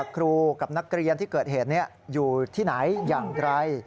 กับนักเรียนที่เกิดเหตุอยู่ที่ไหนอย่างไร